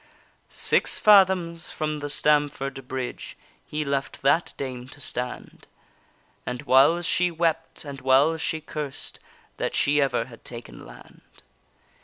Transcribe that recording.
Six fathoms from the Stamford bridge He left that dame to stand, And whiles she wept, and whiles she cursed That she ever had taken land.